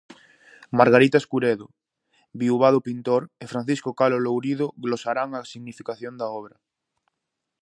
Margarita Escuredo, viúva do pintor, e Francisco Calo Lourido glosarán a significación da obra.